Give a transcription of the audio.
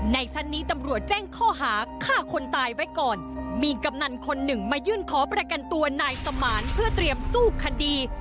ชั้นนี้ตำรวจแจ้งข้อหาฆ่าคนตายไว้ก่อนมีกำนันคนหนึ่งมายื่นขอประกันตัวนายสมานเพื่อเตรียมสู้คดี